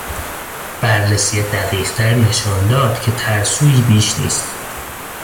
بررسی دقیقتر نشان داد که ترسویی بیش نیست.